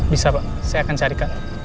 bisa pak saya akan carikan